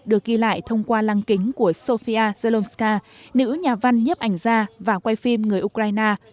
được ghi lại thông qua lăng kính của sofia yablanska nữ nhà văn nhấp ảnh ra và quay phim người ukraine